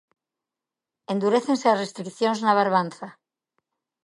Endurécense as restricións na Barbanza.